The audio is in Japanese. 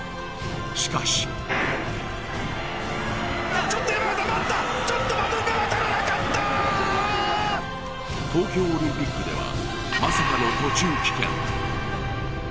しかし東京オリンピックでは、まさかの途中棄権。